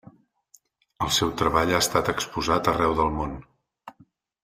El seu treball ha estat exposat arreu del món.